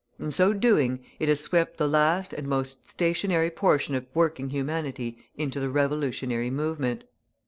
In so doing, it has swept the last and most stationary portion of working humanity into the revolutionary movement.